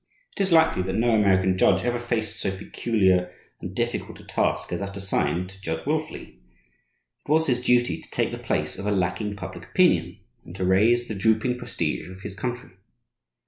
It is likely that no American judge ever faced so peculiar and difficult a task as that assigned to Judge Wilfley. It was his duty to take the place of a lacking public opinion, and to raise the drooping prestige of his country.